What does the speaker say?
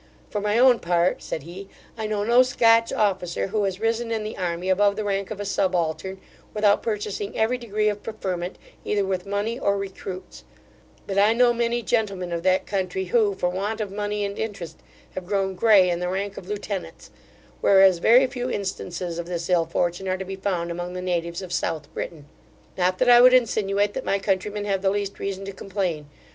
For my own part (said he), I know no Scotch officer, who has risen in the army above the rank of a subaltern, without purchasing every degree of preferment either with money or recruits; but I know many gentlemen of that country, who, for want of money and interest, have grown grey in the rank of lieutenants; whereas very few instances of this ill fortune are to be found among the natives of South Britain. Not that I would insinuate that my countrymen have the least reason to complain.